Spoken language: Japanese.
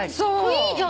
いいじゃん！